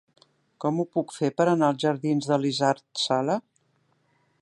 Com ho puc fer per anar als jardins d'Elisard Sala?